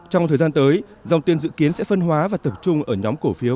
trong thời gian tới dòng tiền dự kiến sẽ phân hóa và tập trung ở nhóm cổ phiếu